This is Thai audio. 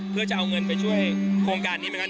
เพื่อจะเอาเงินไปช่วยโครงการนี้เหมือนกัน